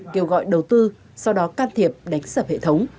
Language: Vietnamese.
kêu gọi đầu tư sau đó can thiệp đánh sập hệ thống